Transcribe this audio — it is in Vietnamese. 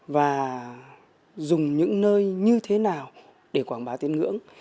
và dùng những nơi như thế nào để quảng bá tiến ngưỡng